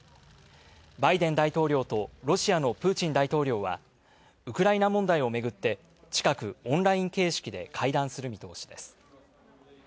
バイデン大統領とロシアのプーチン大統領はウクライナ問題をめぐって近くオンライン形式で会談する見通しです。